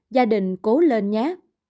gia đình cố lên nhé